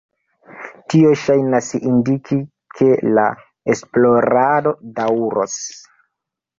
Tio ŝajnas indiki, ke la esplorado daŭros.